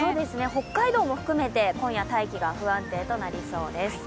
北海道も含めて、今夜大気が不安定になりそうです。